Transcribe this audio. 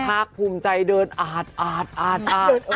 พักภูมิใจเดินอาดอาดอาดอาด